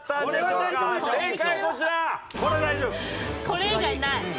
これ以外ない。